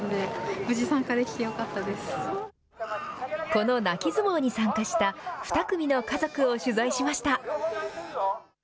この泣き相撲に参加した２組の家族を取材しました。